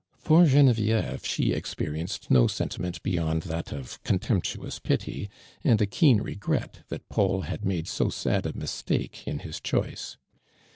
For Gene vieve she ex)teriencod no sentiment beyond that of contemptuous pity, and a keen regret that Paul had made ho sod a mistake in his choice.